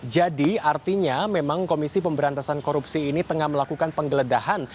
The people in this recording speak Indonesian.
jadi artinya memang komisi pemberantasan korupsi ini tengah melakukan penggeledahan